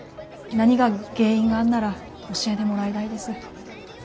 何が原因があんなら教えでもらいだいです。